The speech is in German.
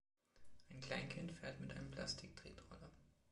Ein Kleinkind fährt mit einem Plastik-Tretroller